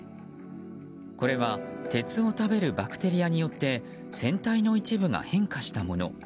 これは鉄を食べるバクテリアによって船体の一部が変化したもの。